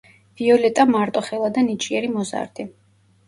ვიოლეტა მარტოხელა და ნიჭიერი მოზარდი.